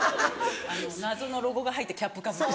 謎のロゴが入ったキャップかぶって。